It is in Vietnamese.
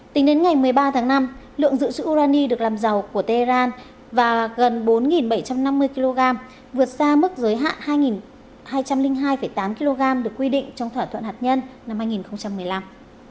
tính đến ngày một mươi ba tháng năm lượng dự trữ urani được làm giàu của tehran và gần bốn bảy trăm năm mươi kg vượt xa mức giới hạn hai trăm linh hai tám kg được quy định trong thỏa thuận hạt nhân năm hai nghìn một mươi năm